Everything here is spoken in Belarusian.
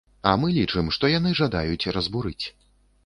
А мы лічым, што яны жадаюць разбурыць.